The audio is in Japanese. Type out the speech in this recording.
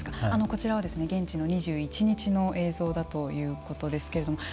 こちらは現地の２１日の映像だということですけれども。